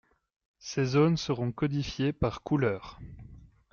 Ces zones seront codifiées par couleurs.